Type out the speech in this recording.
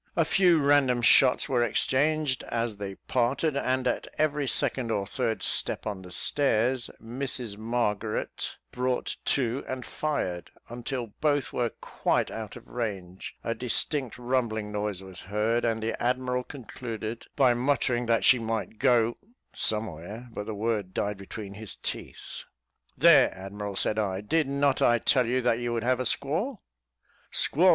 A few random shots were exchanged as they parted, and at every second or third step on the stairs, Mrs Margaret brought to, and fired, until both were quite out of range; a distant rumbling noise was heard, and the admiral concluded, by muttering that she might go , somewhere, but the word died between his teeth. "There, admiral," said I, "did not I tell you that you would have a squall?" "Squall!